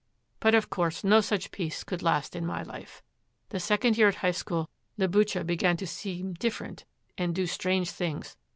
'But of course no such peace could last in my life; the second year at High School, Liboucha began to seem different and do strange things.